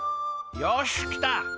よしきた！